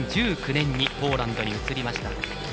２０１９年にポーランドに移りました。